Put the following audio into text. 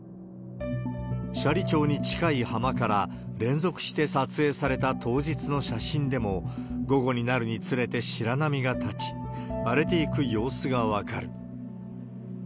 斜里町に近い浜から連続して撮影された当日の写真でも、午後になるにつれて白波が立ち、荒れていく様子が分かる。